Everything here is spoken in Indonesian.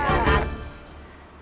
ya bener sayang